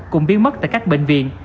cũng biến mất tại các bệnh viện